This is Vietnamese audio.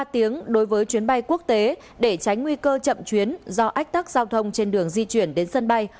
ba tiếng đối với chuyến bay quốc tế để tránh nguy cơ chậm chuyến do ách tắc giao thông trên đường di chuyển đến sân bay